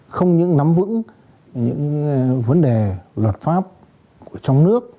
không những nắm vững những vấn đề luật pháp trong nước